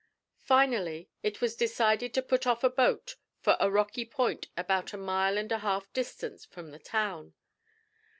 Finally it was decided to put off a boat for a rocky point about a mile and a half distant from the town.